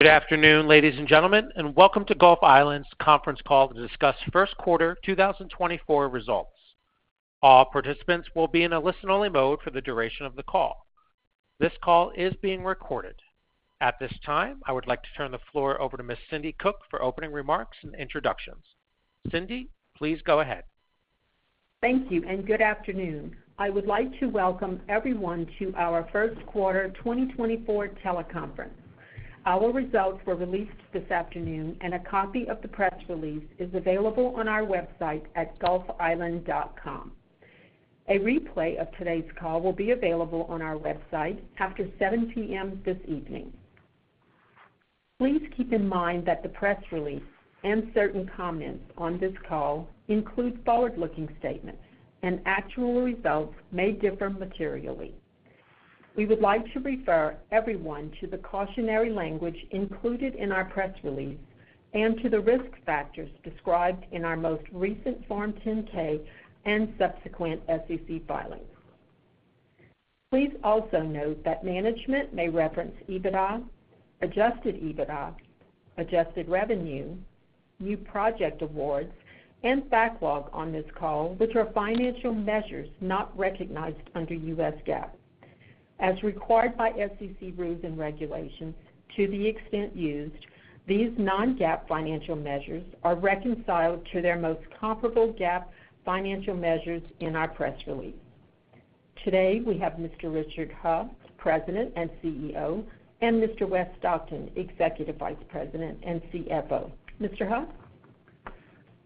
Good afternoon, ladies and gentlemen, and welcome to Gulf Island's conference call to discuss First Quarter 2024 Results. All participants will be in a listen-only mode for the duration of the call. This call is being recorded. At this time, I would like to turn the floor over to Ms. Cindi Cook for opening remarks and introductions. Cindi, please go ahead. Thank you, and good afternoon. I would like to welcome everyone to our first quarter 2024 teleconference. Our results were released this afternoon, and a copy of the press release is available on our website at gulfisland.com. A replay of today's call will be available on our website after 7:00 P.M. this evening. Please keep in mind that the press release and certain comments on this call include forward-looking statements, and actual results may differ materially. We would like to refer everyone to the cautionary language included in our press release and to the risk factors described in our most recent Form 10-K and subsequent SEC filings. Please also note that management may reference EBITDA, adjusted EBITDA, adjusted revenue, new project awards, and backlog on this call, which are financial measures not recognized under U.S. GAAP. As required by SEC rules and regulations, to the extent used, these non-GAAP financial measures are reconciled to their most comparable GAAP financial measures in our press release. Today we have Mr. Richard Heo, President and CEO, and Mr. Westley Stockton, Executive Vice President and CFO. Mr. Heo?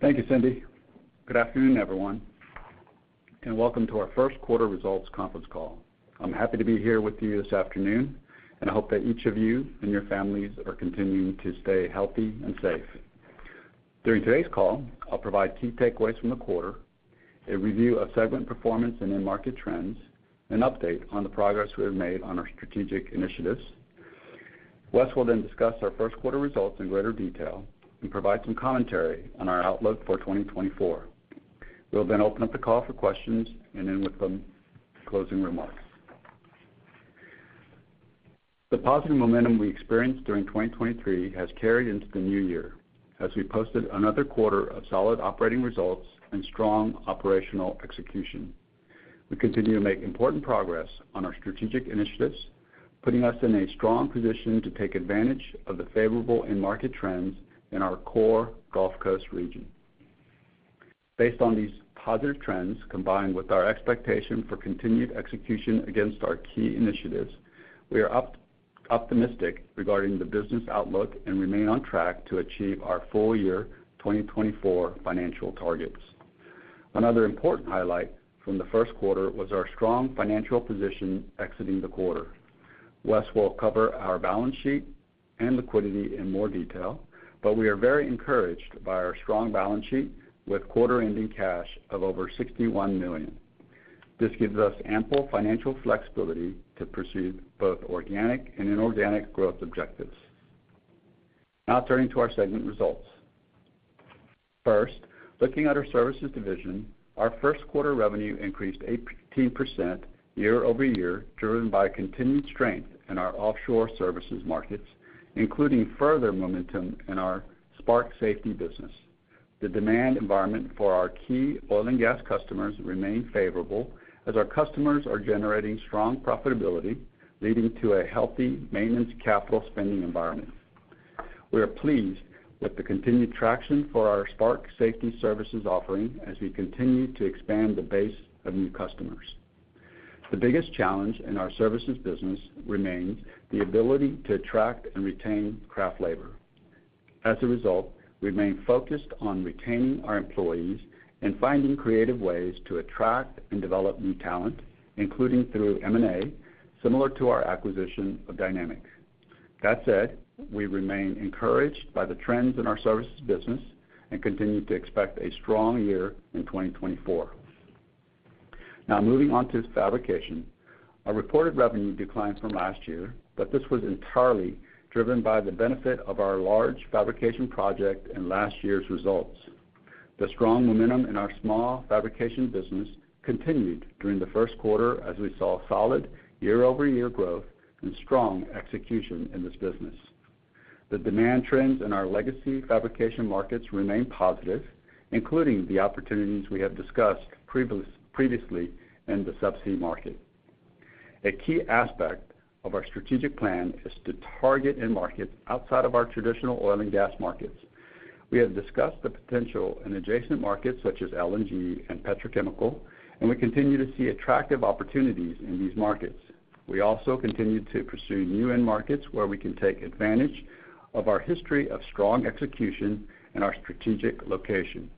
Thank you, Cindi. Good afternoon, everyone, and welcome to our first quarter results conference call. I'm happy to be here with you this afternoon, and I hope that each of you and your families are continuing to stay healthy and safe. During today's call, I'll provide key takeaways from the quarter, a review of segment performance and end market trends, and an update on the progress we have made on our strategic initiatives. West will then discuss our first quarter results in greater detail and provide some commentary on our outlook for 2024. We'll then open up the call for questions and end with some closing remarks. The positive momentum we experienced during 2023 has carried into the new year as we posted another quarter of solid operating results and strong operational execution. We continue to make important progress on our strategic initiatives, putting us in a strong position to take advantage of the favorable end market trends in our core Gulf Coast region. Based on these positive trends combined with our expectation for continued execution against our key initiatives, we are optimistic regarding the business outlook and remain on track to achieve our full-year 2024 financial targets. Another important highlight from the first quarter was our strong financial position exiting the quarter. West will cover our balance sheet and liquidity in more detail, but we are very encouraged by our strong balance sheet with quarter-ending cash of over $61 million. This gives us ample financial flexibility to pursue both organic and inorganic growth objectives. Now turning to our segment results. First, looking at our services division, our first quarter revenue increased 18% year-over-year driven by continued strength in our offshore services markets, including further momentum in our Spark Safety business. The demand environment for our key oil and gas customers remains favorable as our customers are generating strong profitability, leading to a healthy maintenance capital spending environment. We are pleased with the continued traction for our Spark Safety services offering as we continue to expand the base of new customers. The biggest challenge in our services business remains the ability to attract and retain craft labor. As a result, we remain focused on retaining our employees and finding creative ways to attract and develop new talent, including through M&A, similar to our acquisition of Dynamic. That said, we remain encouraged by the trends in our services business and continue to expect a strong year in 2024. Now moving on to fabrication. Our reported revenue declined from last year, but this was entirely driven by the benefit of our large fabrication project and last year's results. The strong momentum in our small fabrication business continued during the first quarter as we saw solid year-over-year growth and strong execution in this business. The demand trends in our legacy fabrication markets remain positive, including the opportunities we have discussed previously in the subsea market. A key aspect of our strategic plan is to target end markets outside of our traditional oil and gas markets. We have discussed the potential in adjacent markets such as LNG and petrochemical, and we continue to see attractive opportunities in these markets. We also continue to pursue new end markets where we can take advantage of our history of strong execution and our strategic location.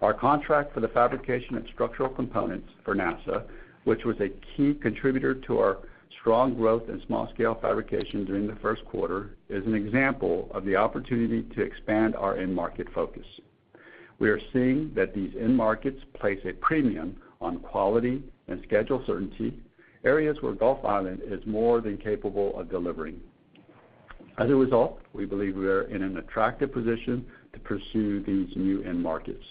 Our contract for the fabrication of structural components for NASA, which was a key contributor to our strong growth in small-scale fabrication during the first quarter, is an example of the opportunity to expand our end market focus. We are seeing that these end markets place a premium on quality and schedule certainty, areas where Gulf Island is more than capable of delivering. As a result, we believe we are in an attractive position to pursue these new end markets.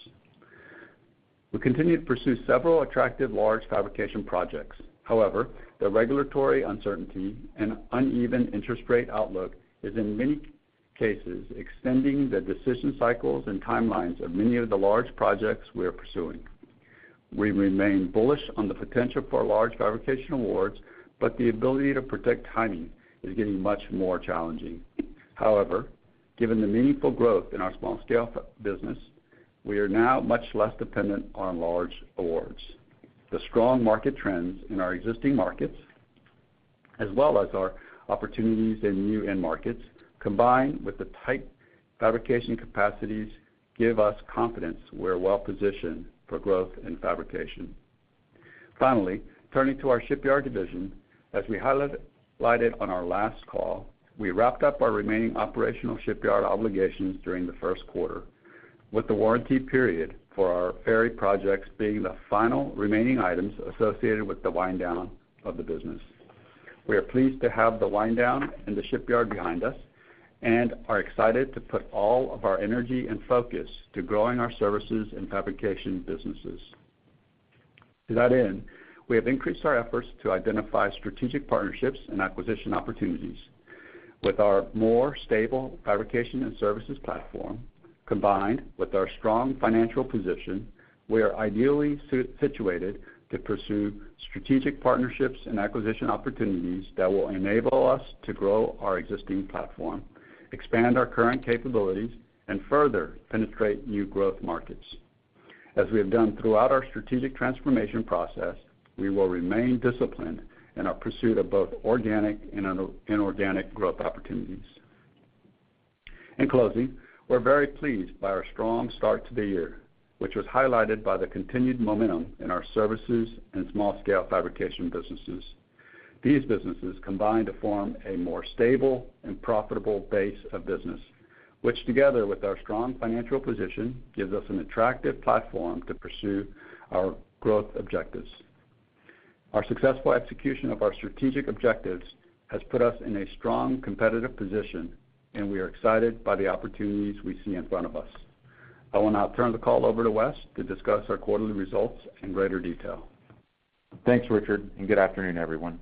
We continue to pursue several attractive large fabrication projects. However, the regulatory uncertainty and uneven interest rate outlook is, in many cases, extending the decision cycles and timelines of many of the large projects we are pursuing. We remain bullish on the potential for large fabrication awards, but the ability to protect timing is getting much more challenging. However, given the meaningful growth in our small-scale business, we are now much less dependent on large awards. The strong market trends in our existing markets, as well as our opportunities in new end markets, combined with the tight fabrication capacities, give us confidence we are well positioned for growth in fabrication. Finally, turning to our shipyard division, as we highlighted on our last call, we wrapped up our remaining operational shipyard obligations during the first quarter, with the warranty period for our ferry projects being the final remaining items associated with the wind-down of the business. We are pleased to have the wind-down and the shipyard behind us and are excited to put all of our energy and focus to growing our services and fabrication businesses. To that end, we have increased our efforts to identify strategic partnerships and acquisition opportunities. With our more stable fabrication and services platform, combined with our strong financial position, we are ideally situated to pursue strategic partnerships and acquisition opportunities that will enable us to grow our existing platform, expand our current capabilities, and further penetrate new growth markets. As we have done throughout our strategic transformation process, we will remain disciplined in our pursuit of both organic and inorganic growth opportunities. In closing, we're very pleased by our strong start to the year, which was highlighted by the continued momentum in our services and small-scale fabrication businesses. These businesses combine to form a more stable and profitable base of business, which, together with our strong financial position, gives us an attractive platform to pursue our growth objectives. Our successful execution of our strategic objectives has put us in a strong competitive position, and we are excited by the opportunities we see in front of us. I will now turn the call over to West to discuss our quarterly results in greater detail. Thanks, Richard, and good afternoon, everyone.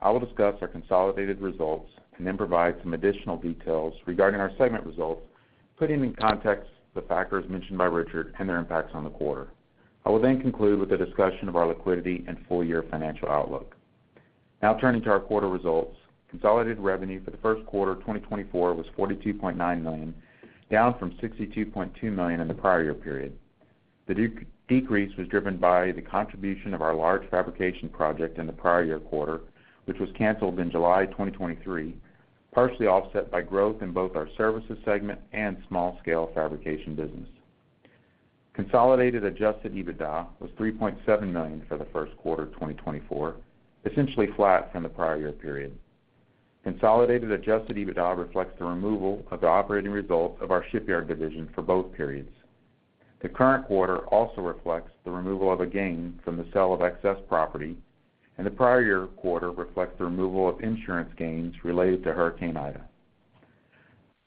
I will discuss our consolidated results and then provide some additional details regarding our segment results, putting in context the factors mentioned by Richard and their impacts on the quarter. I will then conclude with a discussion of our liquidity and full-year financial outlook. Now turning to our quarter results, consolidated revenue for the first quarter 2024 was $42.9 million, down from $62.2 million in the prior year period. The decrease was driven by the contribution of our large fabrication project in the prior year quarter, which was canceled in July 2023, partially offset by growth in both our services segment and small-scale fabrication business. Consolidated Adjusted EBITDA was $3.7 million for the first quarter 2024, essentially flat from the prior year period. Consolidated Adjusted EBITDA reflects the removal of the operating results of our shipyard division for both periods. The current quarter also reflects the removal of a gain from the sale of excess property, and the prior year quarter reflects the removal of insurance gains related to Hurricane Ida.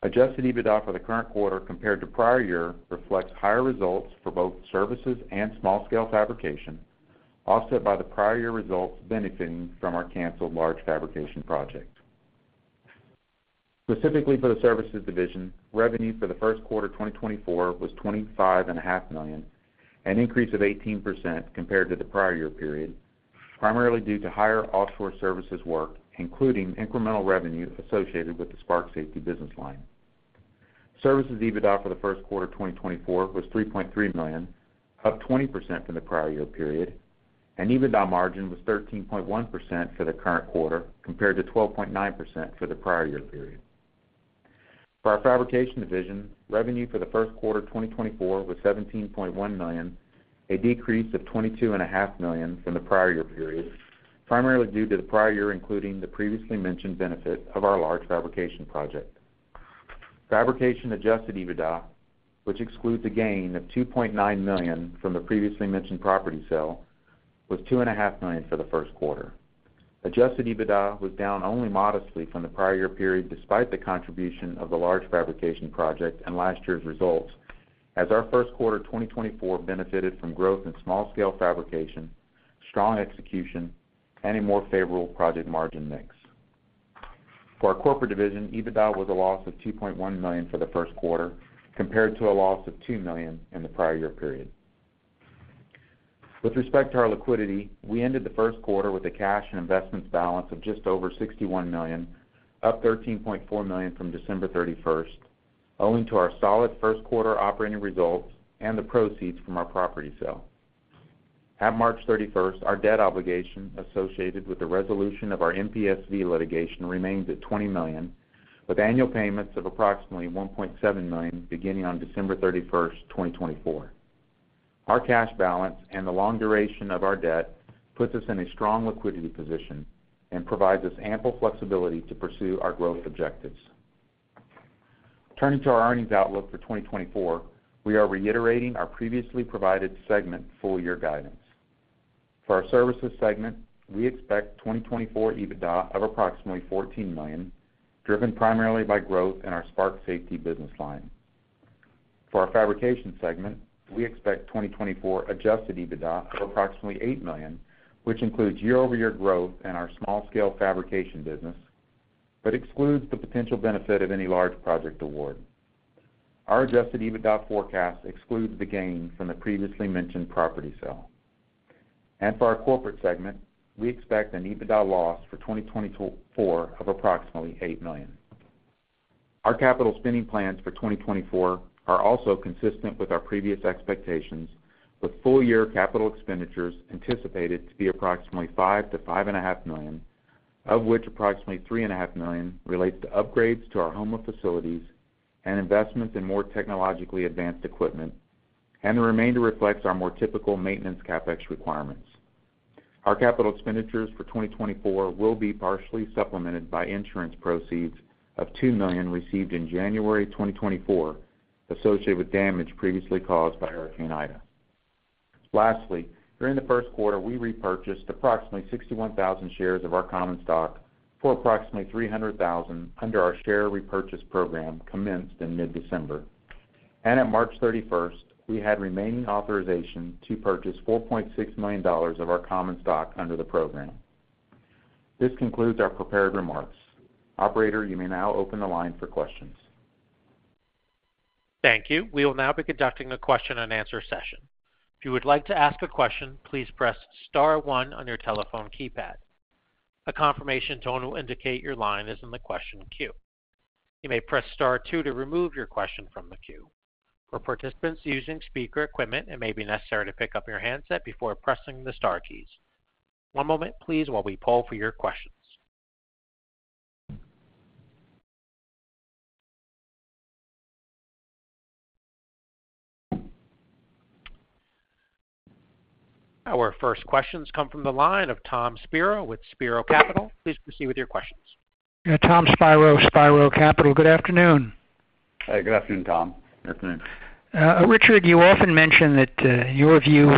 Adjusted EBITDA for the current quarter compared to prior year reflects higher results for both services and small-scale fabrication, offset by the prior year results benefiting from our canceled large fabrication project. Specifically for the services division, revenue for the first quarter 2024 was $25.5 million, an increase of 18% compared to the prior year period, primarily due to higher offshore services work, including incremental revenue associated with the Spark Safety business line. Services EBITDA for the first quarter 2024 was $3.3 million, up 20% from the prior year period, and EBITDA margin was 13.1% for the current quarter compared to 12.9% for the prior year period. For our fabrication division, revenue for the first quarter 2024 was $17.1 million, a decrease of $22.5 million from the prior year period, primarily due to the prior year including the previously mentioned benefit of our large fabrication project. Fabrication Adjusted EBITDA, which excludes a gain of $2.9 million from the previously mentioned property sale, was $2.5 million for the first quarter. Adjusted EBITDA was down only modestly from the prior year period despite the contribution of the large fabrication project and last year's results, as our first quarter 2024 benefited from growth in small-scale fabrication, strong execution, and a more favorable project margin mix. For our corporate division, EBITDA was a loss of $2.1 million for the first quarter compared to a loss of $2 million in the prior year period. With respect to our liquidity, we ended the first quarter with a cash and investments balance of just over $61 million, up $13.4 million from December 31st, owing to our solid first quarter operating results and the proceeds from our property sale. At March 31st, our debt obligation associated with the resolution of our MPSV litigation remains at $20 million, with annual payments of approximately $1.7 million beginning on December 31st, 2024. Our cash balance and the long duration of our debt puts us in a strong liquidity position and provides us ample flexibility to pursue our growth objectives. Turning to our earnings outlook for 2024, we are reiterating our previously provided segment full-year guidance. For our services segment, we expect 2024 EBITDA of approximately $14 million, driven primarily by growth in our Spark Safety business line. For our fabrication segment, we expect 2024 adjusted EBITDA of approximately $8 million, which includes year-over-year growth in our small-scale fabrication business but excludes the potential benefit of any large project award. Our adjusted EBITDA forecast excludes the gain from the previously mentioned property sale. For our corporate segment, we expect an EBITDA loss for 2024 of approximately $8 million. Our capital spending plans for 2024 are also consistent with our previous expectations, with full-year capital expenditures anticipated to be approximately $5-$5.5 million, of which approximately $3.5 million relates to upgrades to our Houma facilities and investments in more technologically advanced equipment, and the remainder reflects our more typical maintenance CapEx requirements. Our capital expenditures for 2024 will be partially supplemented by insurance proceeds of $2 million received in January 2024 associated with damage previously caused by Hurricane Ida. Lastly, during the first quarter, we repurchased approximately 61,000 shares of our common stock for approximately $300,000 under our share repurchase program commenced in mid-December. At March 31st, we had remaining authorization to purchase $4.6 million of our common stock under the program. This concludes our prepared remarks. Operator, you may now open the line for questions. Thank you. We will now be conducting a question-and-answer session. If you would like to ask a question, please press star one on your telephone keypad. A confirmation tone will indicate your line is in the question queue. You may press star two to remove your question from the queue. For participants using speaker equipment, it may be necessary to pick up your handset before pressing the star keys. One moment, please, while we poll for your questions. Our first questions come from the line of Tom Spiro with Spiro Capital. Please proceed with your questions. Yeah, Tom Spiro, Spiro Capital. Good afternoon. Hey, good afternoon, Tom. Good afternoon. Richard, you often mention that in your view,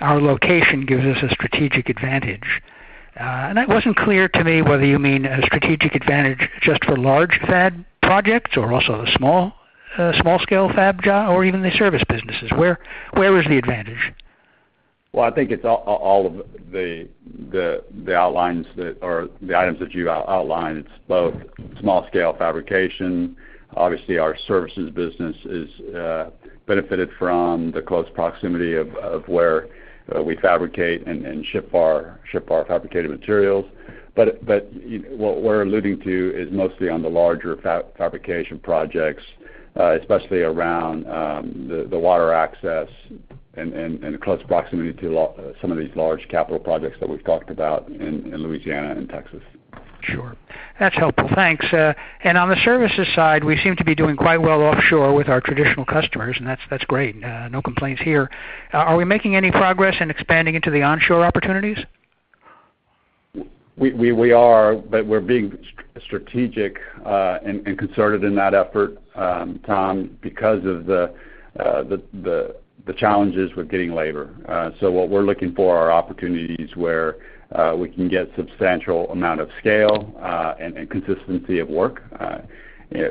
our location gives us a strategic advantage. It wasn't clear to me whether you mean a strategic advantage just for large fab projects or also the small-scale fab job or even the service businesses. Where is the advantage? Well, I think it's all of the outlines that are the items that you outlined. It's both small-scale fabrication. Obviously, our services business is benefited from the close proximity of where we fabricate and ship our fabricated materials. But what we're alluding to is mostly on the larger fabrication projects, especially around the water access and the close proximity to some of these large capital projects that we've talked about in Louisiana and Texas. Sure. That's helpful. Thanks. And on the services side, we seem to be doing quite well offshore with our traditional customers, and that's great. No complaints here. Are we making any progress in expanding into the onshore opportunities? We are, but we're being strategic and concerted in that effort, Tom, because of the challenges with getting labor. So what we're looking for are opportunities where we can get a substantial amount of scale and consistency of work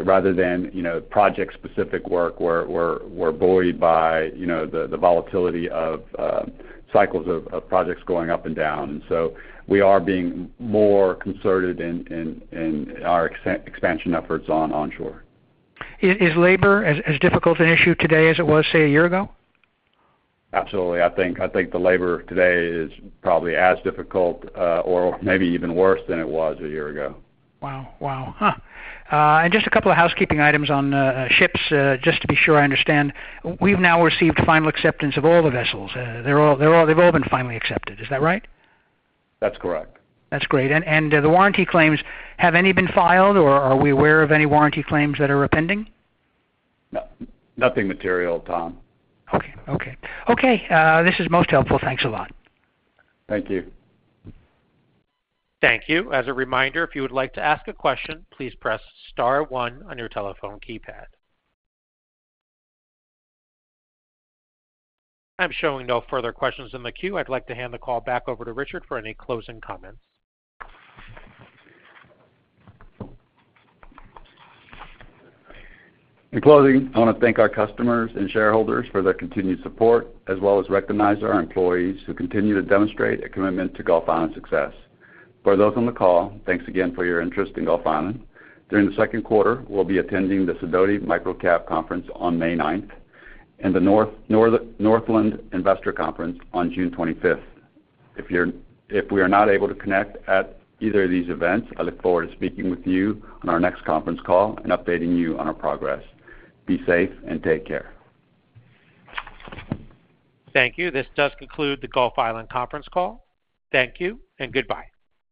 rather than project-specific work where we're buoyed by the volatility of cycles of projects going up and down. And so we are being more concerted in our expansion efforts onshore. Is labor as difficult an issue today as it was, say, a year ago? Absolutely. I think the labor today is probably as difficult or maybe even worse than it was a year ago. Wow. Wow. Just a couple of housekeeping items on ships, just to be sure I understand. We've now received final acceptance of all the vessels. They've all been finally accepted. Is that right? That's correct. That's great. And the warranty claims, have any been filed, or are we aware of any warranty claims that are pending? Nothing material, Tom. Okay. Okay. Okay. This is most helpful. Thanks a lot. Thank you. Thank you. As a reminder, if you would like to ask a question, please press star 1 on your telephone keypad. I'm showing no further questions in the queue. I'd like to hand the call back over to Richard for any closing comments. In closing, I want to thank our customers and shareholders for their continued support, as well as recognize our employees who continue to demonstrate a commitment to Gulf Island success. For those on the call, thanks again for your interest in Gulf Island. During the second quarter, we'll be attending the Sidoti Microcap Conference on May 9th and the Northland Investor Conference on June 25th. If we are not able to connect at either of these events, I look forward to speaking with you on our next conference call and updating you on our progress. Be safe and take care. Thank you. This does conclude the Gulf Island Conference call. Thank you and goodbye.